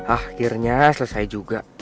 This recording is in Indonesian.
akhirnya selesai juga